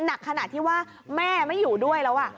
หนักขนาดที่ว่าแม่ไม่อยู่ด้วยแล้ว